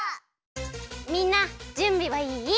みんなじゅんびはいい？